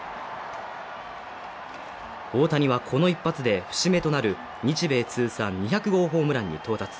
大谷はこの一発で節目となる日米通算２００号ホームランに到達。